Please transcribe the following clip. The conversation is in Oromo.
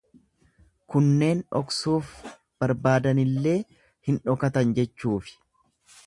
Kunneen dhoksuuf barbaadanillee hin dhokatan jechuufi.